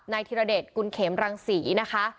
ธิรเดชกุลเขมรังศรีนะคะ